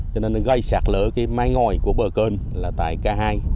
cho nên gây sạt lỡ mái ngòi của bờ cơn tại ca hai